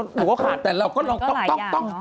หนูก็ขาดแต่เราก็ลองต้อง